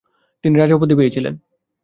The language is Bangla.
তিনি রাজা উপাধি পেয়েছিলেন।